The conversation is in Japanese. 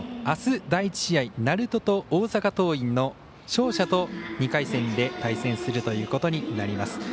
あす第１試合、鳴門と大阪桐蔭の勝者と２回戦で対戦するということになります。